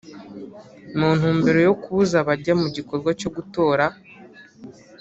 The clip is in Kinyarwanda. mu ntumbero yo kubuza abajya mu gikorwa cyo gutora